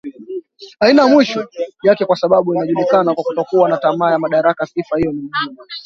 yake Kwa sababu anajulikana kwa kutokuwa na tamaa ya madaraka sifa hiyo ni muhimu